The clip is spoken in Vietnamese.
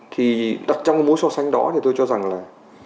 thì đặt trong cái mối so sánh đó thì tôi cho rằng là